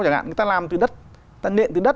chẳng hạn người ta làm từ đất người ta nện từ đất